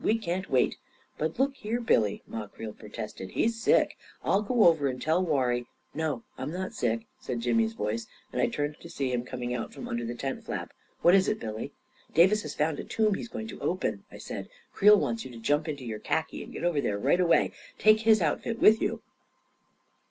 " We can't wait." " But look here, Billy," Ma Creel protested, " he's sick — I'll go over and tell Warrie ..."" No, I'm not sick," said Jimmy's voice, and I turned to see him coming out from under the tent flap. "What is it, Billy?" " Davis has found a tomb he's going to open," I said. " Creel wants you to jump into your khaki and get over there right away. Take his outfit with you."